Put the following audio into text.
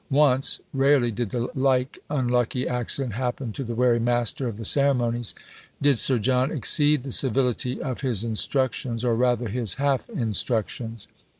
Once rarely did the like unlucky accident happen to the wary master of the ceremonies did Sir John exceed the civility of his instructions, or rather his half instructions.